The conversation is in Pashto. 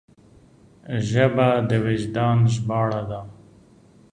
ژبه د وجدان ژباړه ده